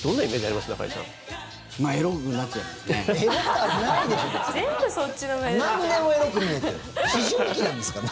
まあエロくなっちゃいますね。